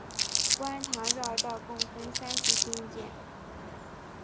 观塘绕道共分三期兴建。